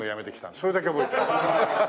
それだけ覚えてる。